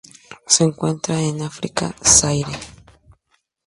Se encuentran en África: Zaire.